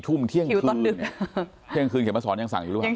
ทุ่มเที่ยงคืนเที่ยงคืนเขียนมาสอนยังสั่งอยู่หรือเปล่า